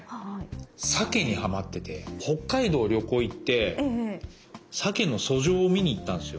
サケにハマってて北海道旅行行ってサケの遡上を見に行ったんすよ。